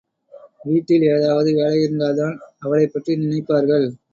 வீட்டில் ஏதாவது வேலையாயிருந்தால்தான் அவளைப் பற்றி நினைப்பார்கள்.